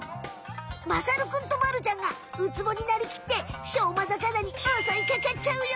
まさるくんとまるちゃんがウツボになりきってしょうま魚におそいかかっちゃうよ。